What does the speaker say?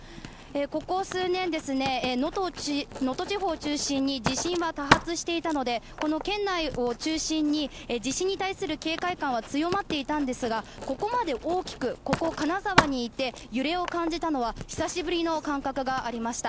ここ数年、能登地方を中心に地震は多発していたので県内を中心に地震に対する警戒感は強まっていたんですがここまで大きくここ金沢にいて揺れを感じたのは久しぶりの感覚がありました。